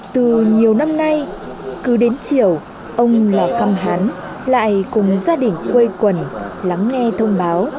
từ nhiều năm nay cứ đến chiều ông là khăm hán lại cùng gia đình quê quần lắng nghe thông báo